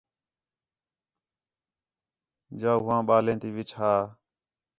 جا ہوآں ٻالیں تی وِچ ہا